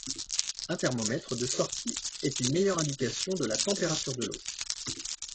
Un thermomètre de sortie est une meilleure indication de la température de l'eau.